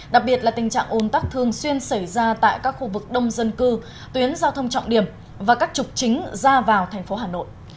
đặc biệt là tình trạng ồn tắc thường xuyên xảy ra tại các khu vực đông dân cư tuyến giao thông trọng điểm và các trục chính ra vào thành phố hà nội